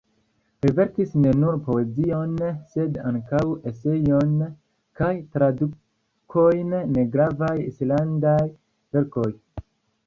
Li verkis ne nur poezion sed ankaŭ eseojn kaj tradukojn de gravaj islandaj verkoj.